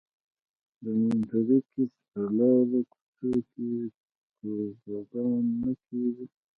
د مونټریکس په لارو کوڅو کې توبوګان نه کېږي.